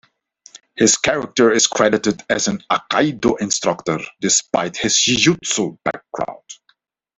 His character is credited as an aikido instructor, despite his jiu-jitsu background.